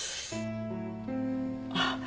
あっ。